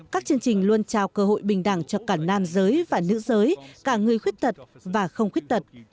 các chương trình luôn trao cơ hội bình đẳng cho cả nam giới và nữ giới cả người khuyết tật và không khuyết tật